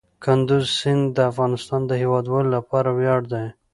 کندز سیند د افغانستان د هیوادوالو لپاره ویاړ دی.